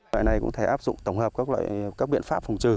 loại này cũng thể áp dụng tổng hợp các biện pháp phòng trừ